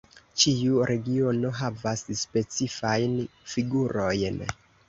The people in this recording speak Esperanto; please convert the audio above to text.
Ĉiu regiono havas specifajn figurojn.